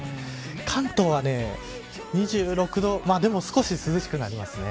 関東は２６度でも少し涼しくなりますね。